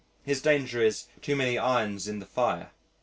His danger is too many irons in the fire.